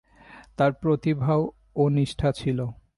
তার প্রতিভা ও নিষ্ঠা ছিল।